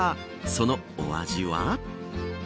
そのお味は。